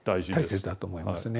大切だと思いますね。